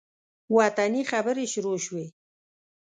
وطني خبرې شروع شوې.